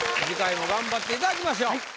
次回も頑張っていただきましょう。